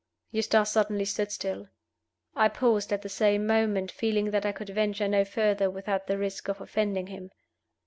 Eustace suddenly stood still. I paused at the same moment, feeling that I could venture no further without the risk of offending him.